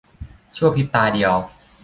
ชั่วพริบตาเดียว